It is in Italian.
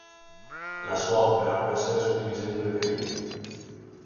La sua opera può essere suddivisa in due periodi.